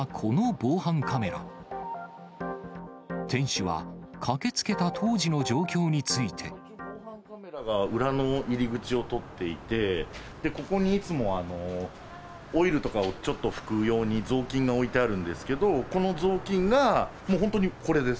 防犯カメラが裏の入り口を撮っていて、ここにいつも、オイルとかをちょっと拭く用に、雑巾が置いてあるんですけど、この雑巾が、もう本当にこれです。